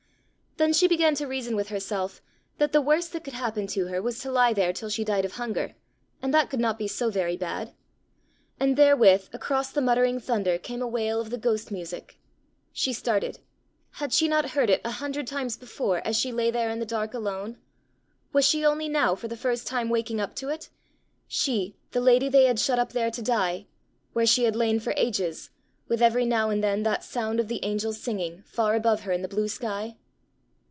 Then she began to reason with herself that the worst that could happen to her was to lie there till she died of hunger, and that could not be so very bad! And therewith across the muttering thunder came a wail of the ghost music. She started: had she not heard it a hundred times before, as she lay there in the dark alone? Was she only now for the first time waking up to it she, the lady they had shut up there to die where she had lain for ages, with every now and then that sound of the angels singing, far above her in the blue sky?